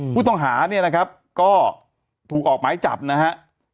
ผู้ต้องหาเนี่ยนะครับก็ถูกออกหมายจับนะฮะ